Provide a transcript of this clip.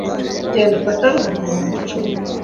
genda ufate abantu ibihumbi cumi